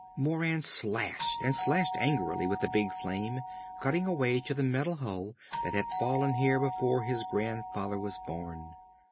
Moran slashed and slashed angrily with the big flame, cutting a way to the metal hull that had fallen here before his grandfather was born.